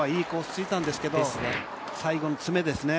ついたんですけど最後の詰めですね。